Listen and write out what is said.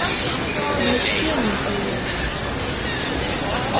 Мый шкемым ойлем...